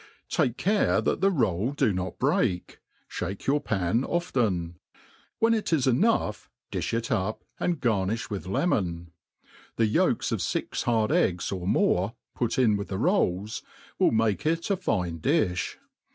Take care that the roll do not break, ihake your pan often ; when it is enough di(h it up, and gar niih with lemon. The yolks of fix hard eggs, or more, put ki with the rolls, will make it a fine diih.